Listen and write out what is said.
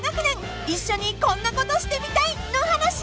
［一緒にこんなことしてみたいの話］